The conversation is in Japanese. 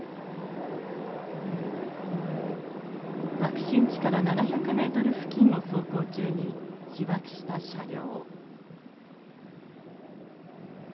爆心地から７００ｍ付近を走行中に被爆した車両。